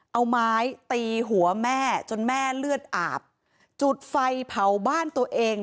เอาไม้ตีหัวแม่จนแม่เลือดอาบจุดไฟเผาบ้านตัวเอง